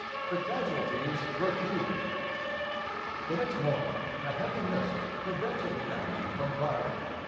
The casualties were few. The next morning a heavy mist prevented the enemy from firing.